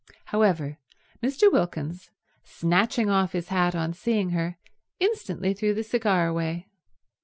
However, Mr. Wilkins, snatching off his hat on seeing her, instantly threw the cigar away.